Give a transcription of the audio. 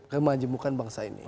kemajemukan bangsa ini